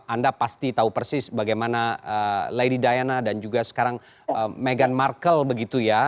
anda pasti tahu persis bagaimana lady diana dan juga sekarang meghan markle begitu ya